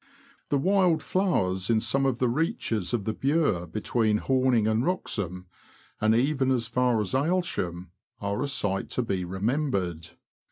The wild flowers in some of the reaches of the Bure between Horning and Wroxham, and even as far as Aylsham, are a sight to be remembered.